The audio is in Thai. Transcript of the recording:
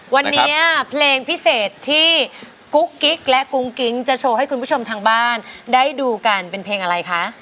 วันนี้เพลงพิเศษที่กุ๊กกิ๊กและกุ้งกิ๊งจะโชว์ให้คุณผู้ชมทางบ้านได้ดูกันเป็นเพลงอะไรคะ